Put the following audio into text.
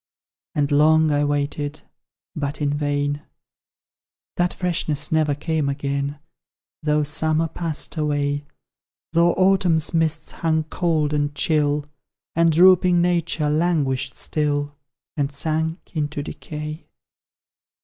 And long I waited, but in vain: That freshness never came again, Though Summer passed away, Though Autumn's mists hung cold and chill. And drooping nature languished still, And sank into decay.